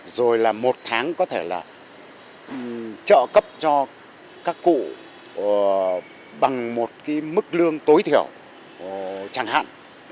rồi là một tháng có thể là trợ cấp cho các cụ bằng một cái mức lương tối thiểu chẳng hạn